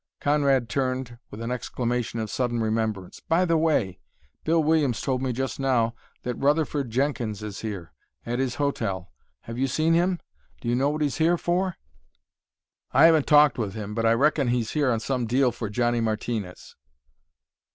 Conrad turned with an exclamation of sudden remembrance. "By the way! Bill Williams told me just now that Rutherford Jenkins is here, at his hotel. Have you seen him? Do you know what he's here for?" "I haven't talked with him, but I reckon he's here on some deal for Johnny Martinez."